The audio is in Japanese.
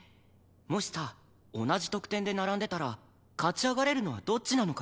もしさ同じ得点で並んでたら勝ち上がれるのはどっちなのかな？